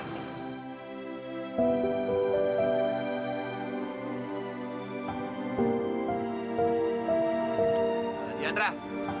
juli apa pas